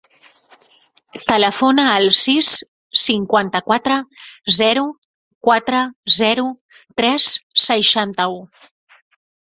Telefona al sis, cinquanta-quatre, zero, quatre, zero, tres, seixanta-u.